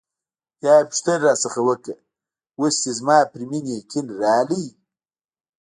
بیا یې پوښتنه راڅخه وکړه: اوس دې زما پر مینې یقین راغلی؟